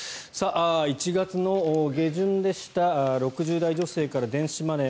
１月の下旬でした６０代女性から電子マネー